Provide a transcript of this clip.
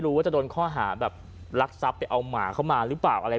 ว่าจะโดนข้อหาแบบรักทรัพย์ไปเอาหมาเข้ามาหรือเปล่าอะไร